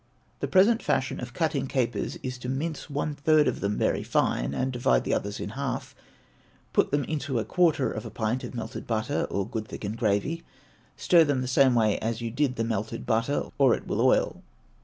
The present fashion of cutting capers is to mince one third of them very fine, and divide the others in half; put them into a quarter of a pint of melted butter, or good thickened gravy; stir them the same way as you did the melted butter, or it will oil.